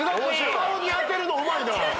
顔に当てるのうまいな。